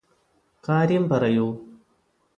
കാര്യം പറയൂ